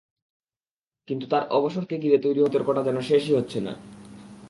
কিন্তু তাঁর অবসরকে ঘিরে তৈরি হওয়া বিতর্কটা যেন শেষই হচ্ছে না।